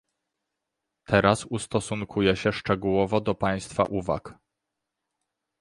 Teraz ustosunkuję się szczegółowo do państwa uwag